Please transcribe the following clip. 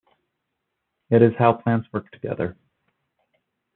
It is how plants work together.